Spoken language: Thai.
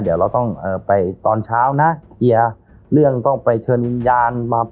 เดี๋ยวเราต้องเอ่อไปตอนเช้านะเรื่องต้องไปเชิญยานมา